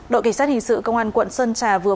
đội kỳ sát hình sự công an quận sơn trà vừa phát triển